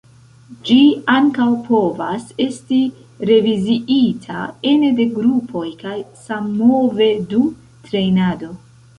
Ĝi ankaŭ povas esti reviziita ene de grupoj kaj sammove dum trejnado.